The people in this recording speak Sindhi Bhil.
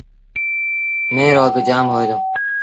ميݩهن رو اگھ جآم هوئي دو۔